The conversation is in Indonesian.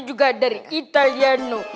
juga dari italiano